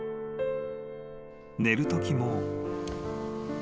［寝るときも］